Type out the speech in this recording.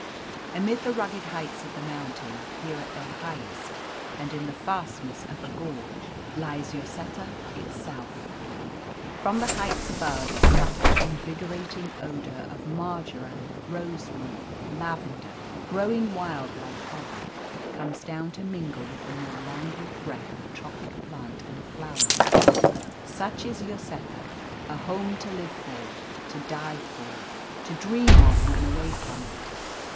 Amid the rugged heights of the mountains, here at their highest, and in the fastness of a gorge, lies Lloseta itself. From the heights above a subtle invigorating odour of marjoram, rosemary, lavender, growing wild like heather, comes down to mingle with the more languid breath of tropic plant and flower. Such is Lloseta a home to live for, to die for, to dream of when away from it.